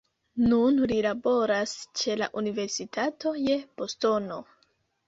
Nun li laboras ĉe la Universitato je Bostono.